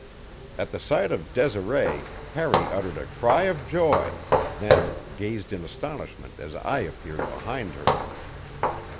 At the sight of Desiree Harry uttered a cry of joy, then gazed in astonishment as I appeared behind her.